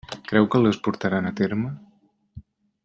Creu que les portaran a terme?